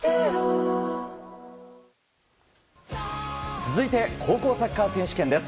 続いて高校サッカー選手権です。